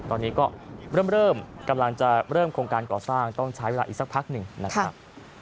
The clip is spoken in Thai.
ตอนนี้ก็เริ่มกำลังจะเริ่มโครงการก่อสร้างต้องใช้เวลาอีกสักพักหนึ่งนะครับ